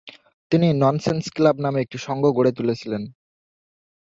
তিনি nonsense club নামে একটি সংঘ গড়ে তুলেছিলেন।